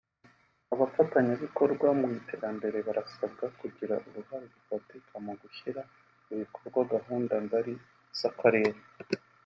abafatanyabikorwa mu iterambere barasabwa kugira uruhare rufatika mu gushyira mu bikorwa gahunda ngari z’Akarere